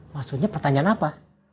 maksudnya pertanyaan apa